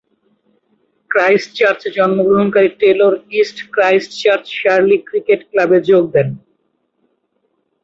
ক্রাইস্টচার্চে জন্মগ্রহণকারী Taylor East Christchurch Shirley cricket ক্লাবে যোগ দেন।